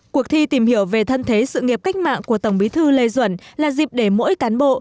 cuộc thi tìm hiểu về thân thế sự nghiệp cách mạng của tổng bí thư lê duẩn là dịp để mỗi cán bộ